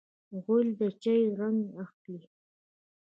غول د چای رنګ اخلي.